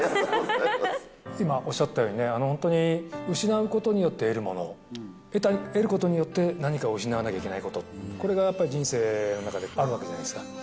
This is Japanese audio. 今、おっしゃったようにね、本当に失うことによって得るもの、得ることによって何かを失わなきゃいけないこと、これがやっぱり人生の中であるわけじゃないですか。